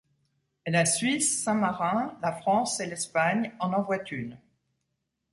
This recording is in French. La Suisse, Saint-Marin, la France et Espagne en envoient une.